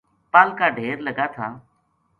پل کا ڈھیر لگا تھا